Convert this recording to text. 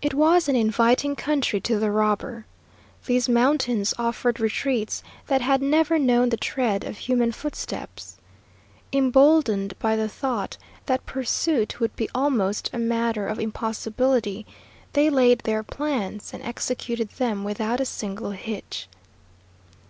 It was an inviting country to the robber. These mountains offered retreats that had never known the tread of human footsteps. Emboldened by the thought that pursuit would be almost a matter of impossibility, they laid their plans and executed them without a single hitch.